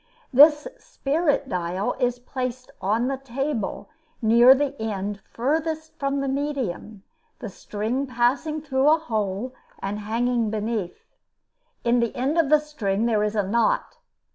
This "spirit dial" is placed on the table, near the end furthest from the medium, the string passing through a hole and hanging beneath. In the end of the string there is a knot.